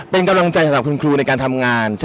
เป็นกำลังใจของครูในการทำงาน